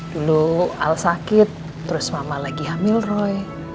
dulu al sakit terus mama lagi hamil roy